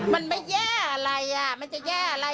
มันไม่แย่อะไรอ่ะมันจะแย่อะไร